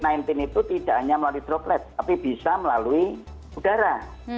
covid sembilan belas itu tidak hanya melalui droplet tapi bisa melalui udara